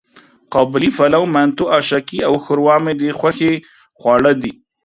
قابلي پلو، منتو، آشکې او ښوروا مې د خوښې خواړه دي.